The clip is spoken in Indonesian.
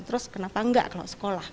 terus kenapa enggak kalau sekolah